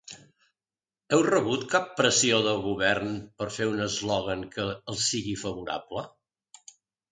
Heu rebut cap pressió del govern per fer un eslògan que els sigui favorable?